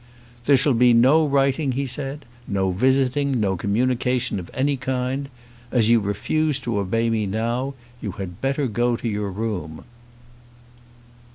"There shall be no writing," he said, "no visiting, no communication of any kind. As you refuse to obey me now, you had better go to your room."